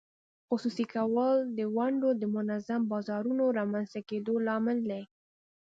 خصوصي کول د ونډو د منظم بازارونو رامینځته کېدو لامل دی.